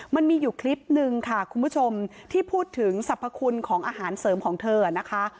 มันมีอยู่คลิปนึงค่ะคุณผู้ชมที่พูดถึงสรรพคุณของอาหารเสริมของเธอนะคะ